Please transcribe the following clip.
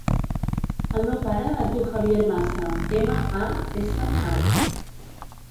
El meu pare es diu Javier Masa: ema, a, essa, a.